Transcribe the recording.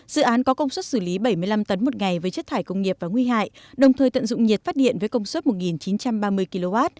dự án có công suất xử lý bảy mươi năm tấn một ngày với chất thải công nghiệp và nguy hại đồng thời tận dụng nhiệt phát điện với công suất một chín trăm ba mươi kw